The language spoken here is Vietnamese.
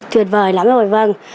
tuyệt vời lắm rồi vâng